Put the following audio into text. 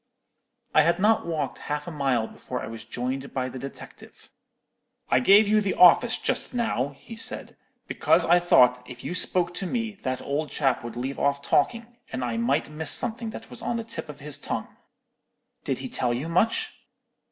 "I had not walked half a mile before I was joined by the detective. "'I gave you the office just now,' he said, 'because I thought if you spoke to me, that old chap would leave off talking, and I might miss something that was on the tip of his tongue.' "'Did he tell you much?'